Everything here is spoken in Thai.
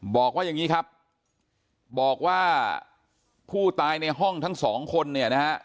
บอกว่าอย่างนี้ครับบอกว่าผู้ตายในห้องทั้งสองคนเนี่ยนะฮะ